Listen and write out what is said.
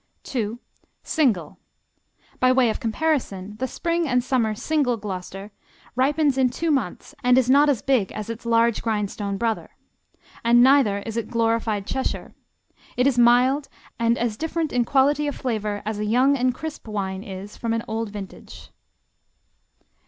II. Single. By way of comparison, the spring and summer Single Gloucester ripens in two months and is not as big as its "large grindstone" brother. And neither is it "glorified Cheshire." It is mild and "as different in qualify of flavour as a young and crisp wine is from an old vintage."